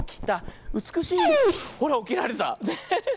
ほらおきられた。ね。